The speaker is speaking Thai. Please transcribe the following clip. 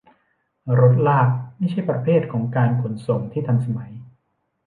รถลากไม่ใช่ประเภทของการขนส่งที่ทันสมัย